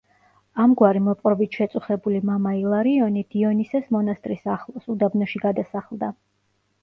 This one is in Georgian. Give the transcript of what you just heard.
ამგვარი მოპყრობით შეწუხებული მამა ილარიონი დიონისეს მონასტრის ახლოს, უდაბნოში გადასახლდა.